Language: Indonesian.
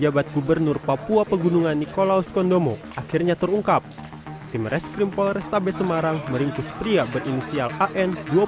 baik hidup hidup tuhan